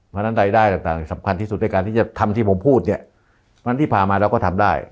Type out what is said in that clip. เพราะฉะนั้นรายได้ต่างสำคัญที่สุดในการที่จะทำที่ผมพูดเนี่ยเพราะฉะนั้นที่ผ่านมาเราก็ทำได้